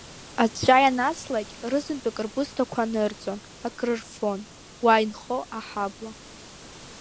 Аҵәҵәа ианаслак, рызынтәык рбысҭақәа анырҵон, акрырфон уа инхо аҳабла.